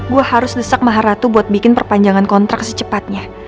gue harus desak maharatu buat bikin perpanjangan kontrak secepatnya